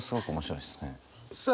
さあ